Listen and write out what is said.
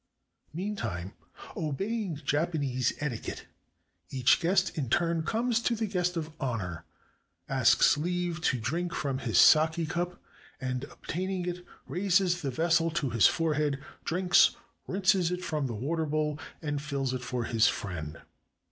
Meantime, obeying Japanese etiquette, each guest in turn comes to the "guest of honor," asks leave to drink from his sake cup, and obtaining it, raises the vessel to his forehead, drinks, rinses it from the water bowl, and fills it for his friend.